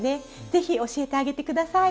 ぜひ教えてあげて下さい。